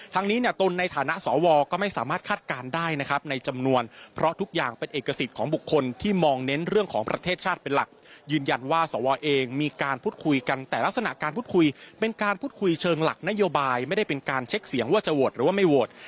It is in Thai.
นี้เนี่ยตนในฐานะสวก็ไม่สามารถคาดการณ์ได้นะครับในจำนวนเพราะทุกอย่างเป็นเอกสิทธิ์ของบุคคลที่มองเน้นเรื่องของประเทศชาติเป็นหลักยืนยันว่าสวเองมีการพูดคุยกันแต่ลักษณะการพูดคุยเป็นการพูดคุยเชิงหลักนโยบายไม่ได้เป็นการเช็คเสียงว่าจะโหวตหรือว่าไม่โหวต